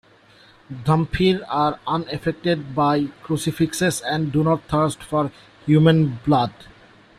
Dhampir are unaffected by crucifixes and do not thirst for human blood.